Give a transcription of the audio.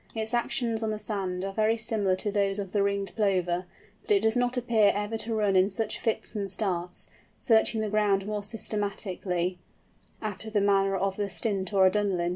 Its actions on the sand are very similar to those of the Ringed Plover, but it does not appear ever to run in such fits and starts, searching the ground more systematically, after the manner of a Stint or a Dunlin.